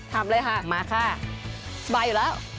ทำเลยค่ะมาค่ะสบายอยู่แล้ว